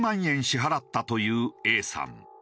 支払ったというＡさん。